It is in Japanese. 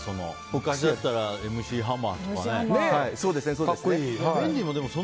昔だったらＭ．Ｃ．ハマーとかの。